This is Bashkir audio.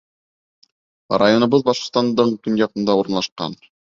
— Районыбыҙ Башҡортостандың көньяғында урынлашҡан.